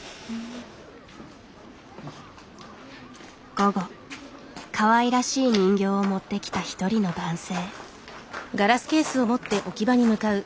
午後かわいらしい人形を持ってきた一人の男性。